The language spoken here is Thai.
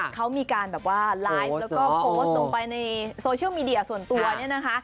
เขามีการแบบว่าไลฟ์แล้วก็โพสต์ลงไปในโซเชียลมีเดียส่วนตัวเนี่ยนะคะ